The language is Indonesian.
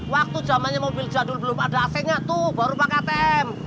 waktu zamannya mobil jadul belum ada ac nya tuh baru pakai tm